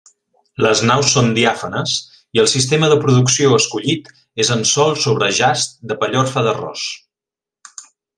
Les naus són diàfanes i el sistema de producció escollit és en sòl sobre jaç de pellorfa d'arròs.